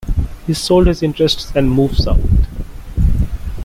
He sold his interests and moved south.